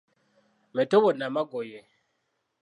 Metobo namagoye.